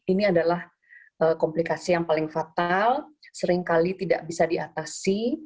ini adalah komplikasi yang paling fatal seringkali tidak bisa diatasi